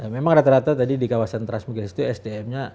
memang rata rata tadi di kawasan transmigrasi itu sdmnya